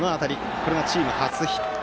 これがチーム初ヒット。